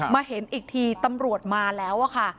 เห็นอีกทีตำรวจมาแล้วค่ะ